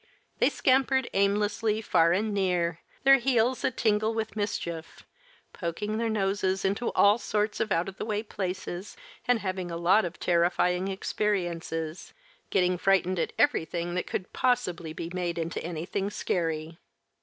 They scampered aimlessly, far and near, their heels a tingle with mischief, poking their noses into all sorts of out of the way places and having a lot of terrifying experiences, getting frightened at everything that could possibly be made into anything scary.